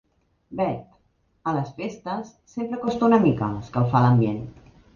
Bet— A les festes sempre costa una mica escalfar l'ambient.